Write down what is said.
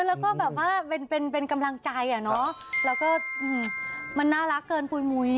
แล้วก็แบบว่าเป็นเป็นกำลังใจอ่ะเนอะแล้วก็มันน่ารักเกินปุ๋ยมุ้ย